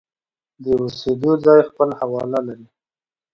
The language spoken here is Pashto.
د اوسېدو ځای خپل حواله لري.